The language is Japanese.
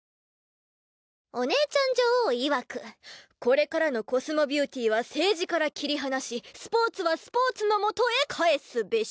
お姉ちゃん女王いわくこれからのコスモビューティーは政治から切り離しスポーツはスポーツのもとへ返すべし。